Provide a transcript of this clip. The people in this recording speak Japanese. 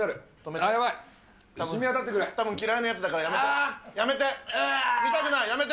たぶん嫌いなやつだから、やめて。